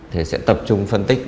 thì sẽ tập trung phân tích